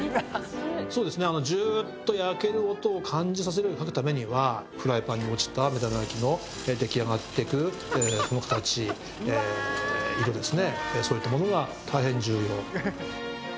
そうですね感じさせるように描く為にはフライパンに落ちた目玉焼きの出来上がっていくこの形色ですねそういったものが大変重要。